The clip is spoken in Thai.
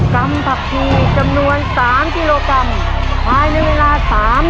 ำผักชีจำนวน๓กิโลกรัมภายในเวลา๓นาที